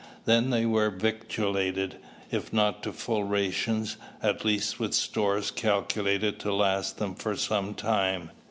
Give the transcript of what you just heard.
Then they were "victualled" if not to full rations, at least with stores calculated to last them for some time.